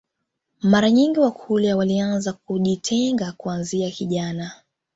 Mara nyingi wakurya walikuwa wanaanza kujitenga kuanzia kijana